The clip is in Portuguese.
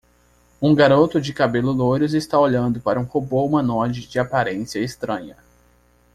Um garoto de cabelos loiros está olhando para um robô humanoide de aparência estranha.